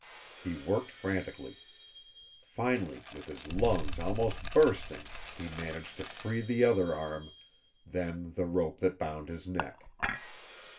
He worked frantically. Finally, with his lungs almost bursting, he managed to free the other arm, then the rope that bound his neck.